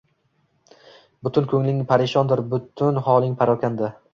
Bukun koʻngling parishondir, bukun holing parokanda.